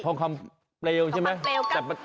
ทองคำเปลวใช่ไหม